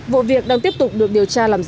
vụ việc đang tiếp tục được điều tra làm rõ